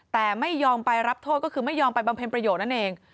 แต่ไม่ยอมไปรับโทษก็คือไม่ยอมไปบำเพ็ญประโยชน์นั่นเอง